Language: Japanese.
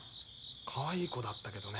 かわいい子だったけどね。